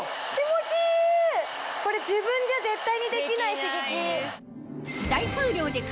これ自分じゃ絶対にできない刺激。